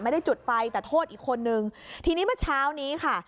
ไม่ได้จุดไฟแต่โทษอีกคนนึงทีนี้เมื่อเช้านี้ค่ะ